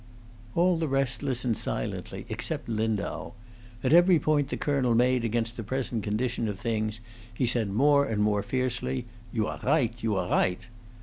All the rest listened silently, except Lindau; at every point the colonel made against the present condition of things he said more and more fiercely, "You are righdt, you are righdt."